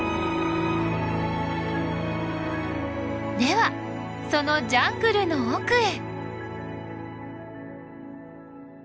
ではそのジャングルの奥へ。